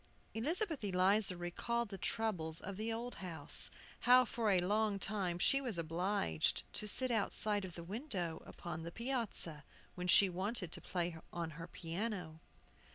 Elizabeth Eliza recalled the troubles of the old house, how for a long time she was obliged to sit outside of the window upon the piazza, when she wanted to play on her piano.